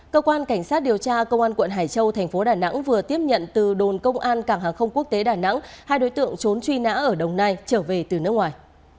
cơ quan cảnh sát điều tra công an quận hải châu thành phố đà nẵng vừa tiếp nhận từ đồn công an cảng hàng không quốc tế đà nẵng hai đối tượng trốn truy nã ở đồng nai trở về từ nước ngoài